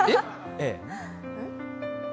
えっ！？